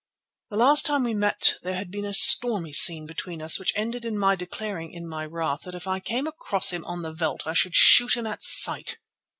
The last time we met there had been a stormy scene between us, which ended in my declaring in my wrath that if I came across him on the veld I should shoot him at sight.